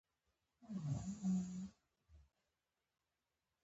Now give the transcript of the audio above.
فشار د بدن طبیعي غبرګون دی.